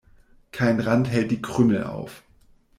Kein Rand hält die Krümel auf.